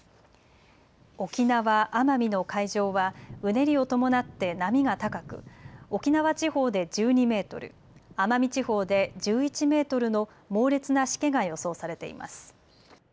沖縄・奄美の海上はうねりを伴って波が高く沖縄地方で１２メートル、奄美地方で１１メートルの猛烈なしけが予想されています。